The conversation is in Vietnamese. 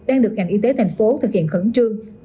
đang được ngành y tế thành phố thực hiện khẩn trương